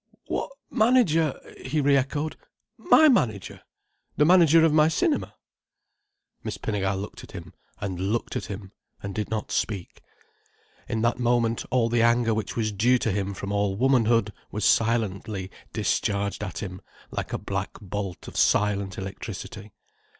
"What manager?" he re echoed. "My manager. The manager of my cinema." Miss Pinnegar looked at him, and looked at him, and did not speak. In that moment all the anger which was due to him from all womanhood was silently discharged at him, like a black bolt of silent electricity.